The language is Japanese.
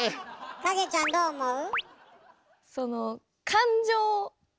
影ちゃんどう思う？